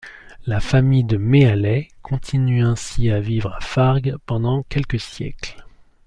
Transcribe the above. La famille de Méallet continue ainsi à vivre à Fargues pendant quelques siècles.